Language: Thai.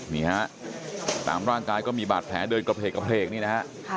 นี่ครับตามร่างกายก็มีบาตแผลเดินเพลกดีของเพลกนี่นะฮะ